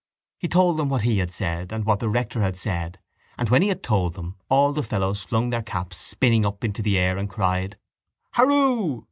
He told them what he had said and what the rector had said and, when he had told them, all the fellows flung their caps spinning up into the air and cried: —Hurroo!